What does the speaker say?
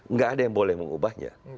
nggak ada yang boleh mengubahnya